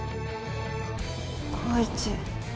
光一。